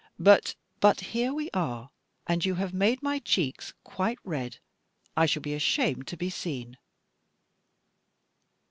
But " "But here we are; and you have made my cheeks quite red! I shall be ashamed to be seen."